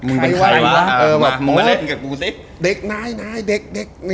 มึงมาเล่นกับกูสิ